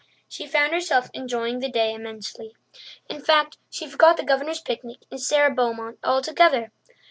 She found herself enjoying the day immensely. In fact, she forgot the Governor's picnic and Sara Beaumont altogether.